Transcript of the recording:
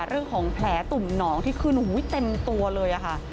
เรื่องของแผลตุ่มหนองที่ขึ้นเต็มตัวเลยค่ะ